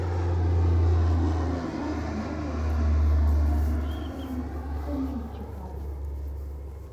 Тушан Кожеръял да моло ял марий-влак кажне шыжым кынем чыкат.